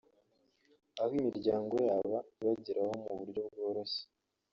aho imiryango yabo ibageraho mu buryo bworoshye